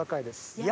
いや！